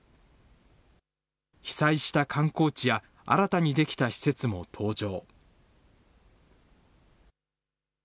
被災した観光地や、新たに出来た施設も登場。